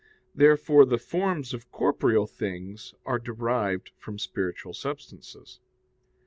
Therefore the forms of corporeal things are derived from spiritual substances.